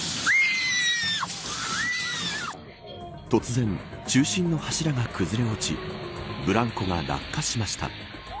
突然、中心の柱が崩れ落ちブランコが落下しました。